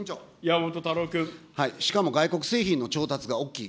しかも外国製品の調達が大きい。